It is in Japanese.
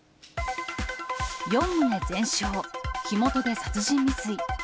４棟全焼、火元で殺人未遂。